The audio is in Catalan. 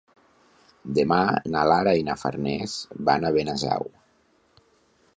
Demà na Lara i na Farners van a Benasau.